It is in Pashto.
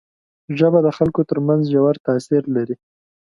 ژبه د خلکو تر منځ ژور تاثیر لري